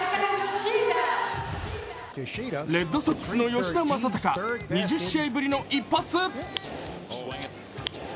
レッドソックスの吉田正尚、２０試合ぶりの一発。